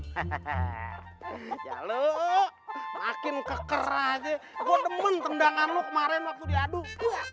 hai hai hai hai hai hai hai halo makin kekerah aja gue temen tendangan lu kemarin waktu diaduk